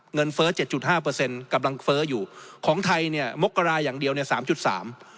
เงินเฟ้อ๗๕กำลังเฟ้ออยู่ของไทยเนี่ยมกราอย่างเดียวเนี่ย๓๓